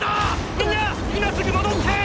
みんなァ今すぐ戻って！！